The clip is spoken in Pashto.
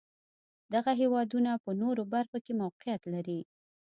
دغه هېوادونه په نورو برخو کې موقعیت لري.